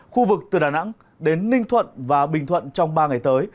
khu vực từ đà nẵng đến ninh thuận và bình thuận trong ba ngày tới